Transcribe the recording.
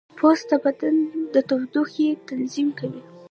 پوست د بدن د تودوخې تنظیم کوي.